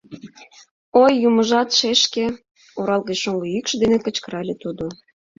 — Ой, юмыжат, шешке! — оралге шоҥго йӱкшӧ дене кычкырале тудо.